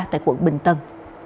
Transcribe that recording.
tại quận bình tân